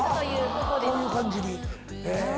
こういう感じに。